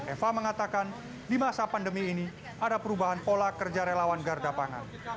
eva mengatakan di masa pandemi ini ada perubahan pola kerja relawan garda pangan